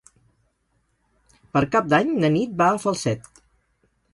Per Cap d'Any na Nit va a Falset.